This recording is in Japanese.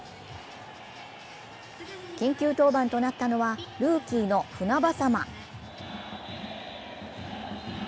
緊急登板となったのはルーキーの船迫。